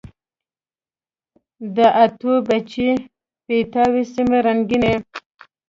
د اتو، بچي، پیتاو سیمي رنګیني